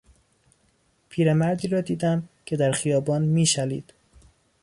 پیرمردی را دیدم که در خیابان میشلید.